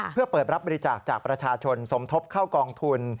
เพื่อเปิดรับบริจาคจากประชาชนสมทบเข้ากองทุน